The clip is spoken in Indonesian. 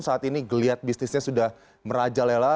saat ini geliat bisnisnya sudah merajalela